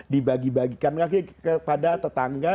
dibagi bagikan lagi kepada tetangga